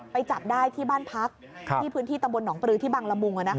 จับได้ที่บ้านพักที่พื้นที่ตำบลหนองปลือที่บังละมุง